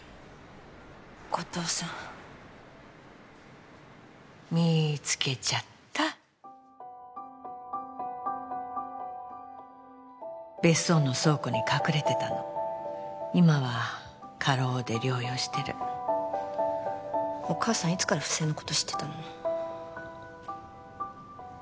後藤さんみーつけちゃった別荘の倉庫に隠れてたの今は過労で療養してるお母さんいつから不正のこと知ってたの？